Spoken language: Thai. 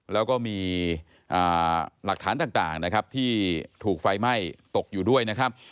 แล้วก็มีหลักฐานต่างนะครับที่ถูกไฟไหม้ตกอยู่ด้วยนะครับ